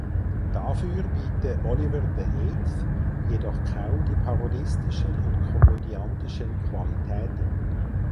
Dafür biete "Oliver the Eighth" jedoch kaum die parodistischen und komödiantischen Qualitäten.